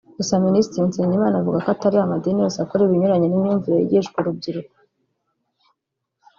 Gusa Minisitiri Nsengimana avuga ko atari amadini yose akora ibinyuranye n’imyumvire yigishwa urubyiruko